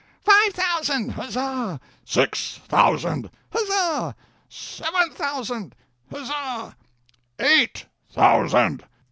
"Five thousand!" "Huzza!" "Six thousand!" "Huzza!" "Seven thousand!" "Huzza!" "EIGHT thousand!"